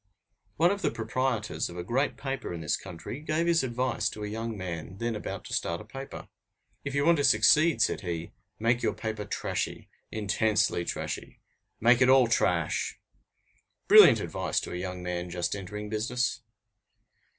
One of the proprietors of a great paper in this country gave his advice to a young man then about to start a paper: "If you want to succeed," said he, "make your paper trashy, intensely trashy, make it all trash!" Brilliant advice to a young man just entering business!